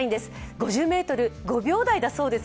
５０ｍ、５秒台だそうです。